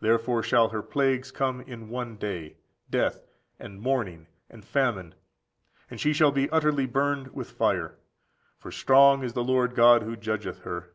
Therefore shall her plagues come in one day, death, and mourning, and famine; and she shall be utterly burned with fire: for strong is the Lord God who judgeth her.